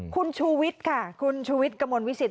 คุณชุวิตค่ะคุณชุวิตกมวลวิสิต